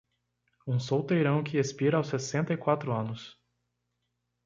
Um solteirão que expira aos sessenta e quatro anos